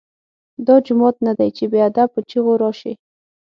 دا جومات نه دی چې بې ادب په چیغو راشې.